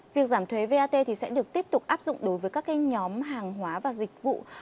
việc giảm thuế vat thì sẽ được tiếp tục áp dụng đối với các nhóm hàng hóa và dịch vụ